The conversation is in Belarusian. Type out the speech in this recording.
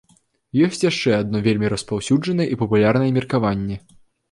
Ёсць яшчэ адно вельмі распаўсюджанае і папулярнае меркаванне.